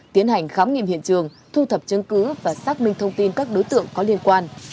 tiến hành khám nghiệm hiện trường thu thập chứng cứ và xác minh thông tin các đối tượng có liên quan